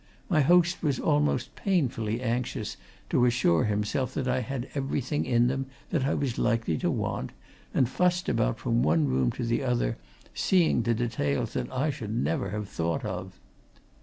My host was almost painfully anxious to assure himself that I had everything in them that I was likely to want, and fussed about from one room to the other, seeing to details that I should never have thought of.